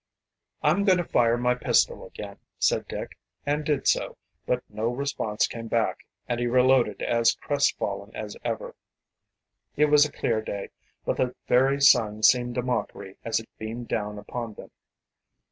"I'm going to fire my pistol again," said Dick, and did, so, but no response came back and he re loaded as crestfallen as ever. It was a clear day, but the very sun seemed a mockery as it beamed down upon them.